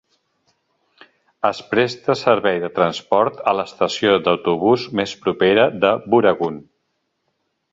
Es presta servei de transport a l'estació d'autobús més propera de Booragoon.